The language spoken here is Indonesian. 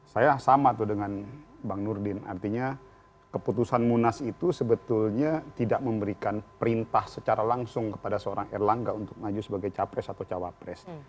saya sama tuh dengan bang nurdin artinya keputusan munas itu sebetulnya tidak memberikan perintah secara langsung kepada seorang erlangga untuk maju sebagai capres atau cawapres